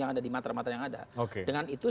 yang ada di matramata yang ada dengan itu